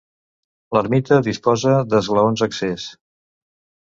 L'ermita disposa d'esglaons d'accés.